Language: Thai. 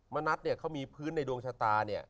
มนัสเขามีพื้นในดวงชะตา